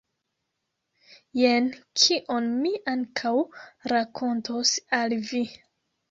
Jen kion mi ankaŭ rakontos al vi.